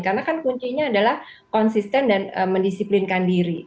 karena kan kuncinya adalah konsisten dan mendisiplinkan diri